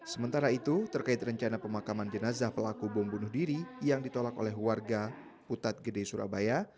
sementara itu terkait rencana pemakaman jenazah pelaku bom bunuh diri yang ditolak oleh warga putat gede surabaya